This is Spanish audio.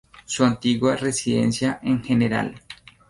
Su antigua residencia en Gral.